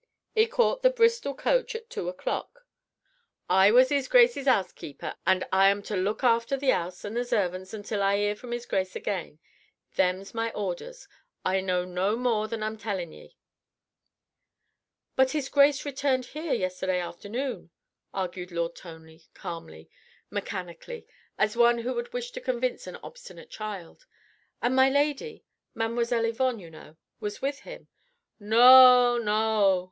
'E caught the Bristol coach at two o'clock. I was 'Is Grace's 'ousekeeper and I am to look after the 'ouse and the zervants until I 'ear from 'Is Grace again. Them's my orders. I know no more than I'm tellin' ye." "But His Grace returned here yesterday forenoon," argued Lord Tony calmly, mechanically, as one who would wish to convince an obstinate child. "And my lady ... Mademoiselle Yvonne, you know ... was with him." "Noa! Noa!"